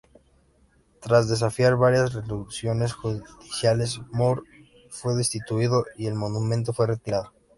Tras desafiar varias resoluciones judiciales, Moore fue destituido y el monumento fue retirado.